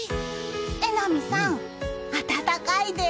榎並さん、暖かいです！